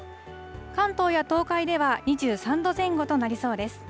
関東や東海では２３度前後となりそうです。